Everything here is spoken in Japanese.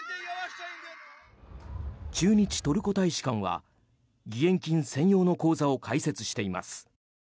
駐日トルコ大使館は義援金専用の口座を開設しています。